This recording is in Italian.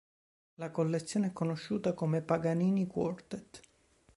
La collezione è conosciuta come il Paganini Quartet.